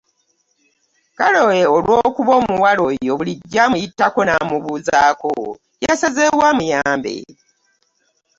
Kale olw'okuba omuwala oyo bulijjo amuyitako n'amubuuzaako yasazeewo amuyambe,